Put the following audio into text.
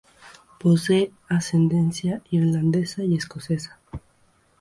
Posee ascendencia irlandesa y escocesa.